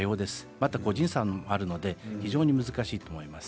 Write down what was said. また個人差もあるので非常に難しいと思います。